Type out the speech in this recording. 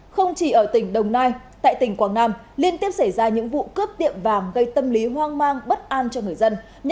không chỉ ở tỉnh đồng nai tại tỉnh quảng nam liên tiếp xảy ra những vụ cướp tiệm vàng gây tâm lý hoang mang bất an cho người dân